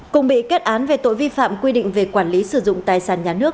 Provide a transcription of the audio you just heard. cùng bị kết án về tội vi phạm quy định về quản lý sử dụng tài sản nhà nước